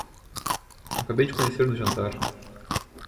Acabei de conhecer no jantar